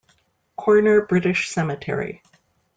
Corner British Cemetery.